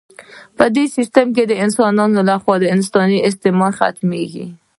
په دې سیستم کې د انسان لخوا د انسان استثمار ختمیږي.